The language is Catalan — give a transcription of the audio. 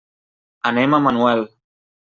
Anem a Manuel.